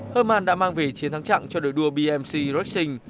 herman đã mang về chiến thắng trạng cho đội đua bmc racing